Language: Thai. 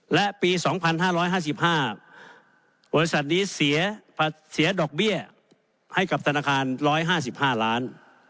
และปี๒๕๕๕บริษัทนี้เสียดอกเบี้ยให้กับธนาคาร๑๕๕ล้าน